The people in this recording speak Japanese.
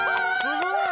すごい！